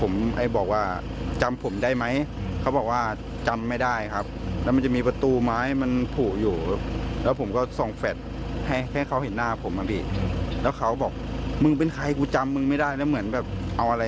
น่าจะเป็นอาวุธครับแต่ผมไม่แน่ใจว่าเป็นปืนหรือเปล่า